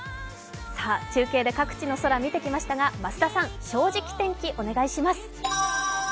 中継で各地の空を見てきましたが、増田さん、「正直天気」お願いします。